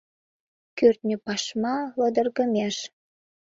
Кӱртньӧ пашма лыдыргымеш;